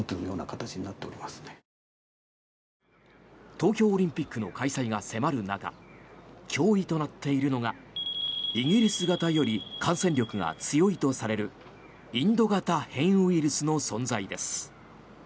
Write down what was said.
東京オリンピックの開催が迫る中驚異となっているのがイギリス型より感染力が強いとされるインド型変異ウイルスの存在です。